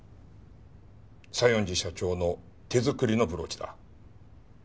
西園寺社長の手作りのブローチだ。